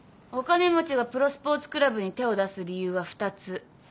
お金持ちがプロスポーツクラブに手を出す理由は２つ。